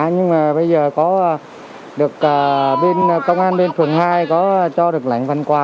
nhưng mà bây giờ có được công an bên phường hai cho được lãnh phần quà